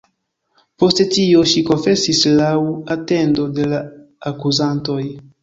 Post tio ŝi konfesis laŭ atendo de la akuzantoj.